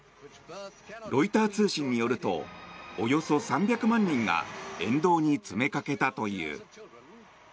ロイター通信によるとおよそ３００万人が沿道に詰めかけたという。